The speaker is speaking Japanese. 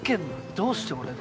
どうして俺が。